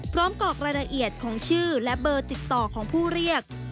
กรอกรายละเอียดของชื่อและเบอร์ติดต่อของผู้เรียก